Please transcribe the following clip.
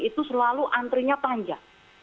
itu selalu antrinya panjang